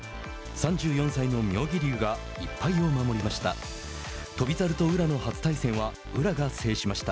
３４歳の妙義龍が１敗を守りました。